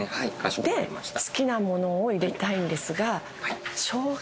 で好きなものを入れたいんですが生姜。